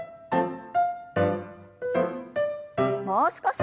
もう少し。